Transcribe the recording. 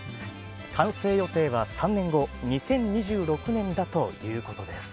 完成予定は３年後、２０２６年だということです。